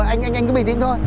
anh cứ bình tĩnh thôi